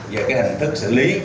về hình thức xử lý